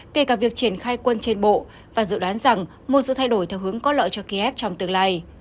kể cả việc triển khai quân trên bộ và dự đoán rằng một sự thay đổi theo hướng có lợi cho kiev trong tương lai